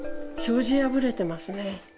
障子破れてますね。